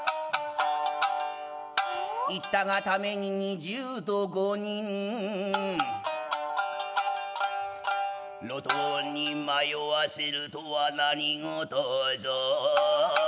「云ったが為に二十と五人」「路頭に迷わせるとは何事ぞ」